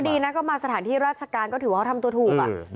ดีนะก็มาสถานที่ราชการก็ถือว่าเขาทำตัวถูก